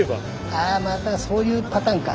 あまたそういうパターンか。